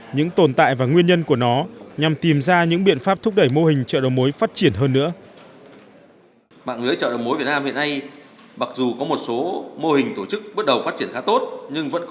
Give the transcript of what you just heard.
những tồn tại và nguyên nhân của nó nhằm tìm ra những biện pháp thúc đẩy mô hình chợ đầu mối phát triển hơn nữa